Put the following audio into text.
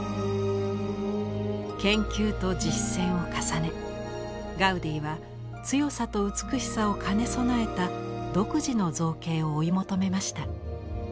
研究と実践を重ねガウディは強さと美しさを兼ね備えた独自の造形を追い求めました。